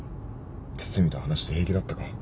堤と話して平気だったか？